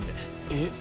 えっ？